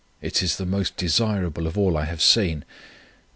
It is the most desirable of all I have seen.